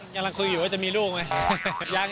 กำลังคุยอยู่ว่าจะมีลูกไหม